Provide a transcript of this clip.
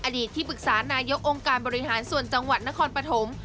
ที่ปรึกษานายกองค์การบริหารส่วนจังหวัดนครปฐม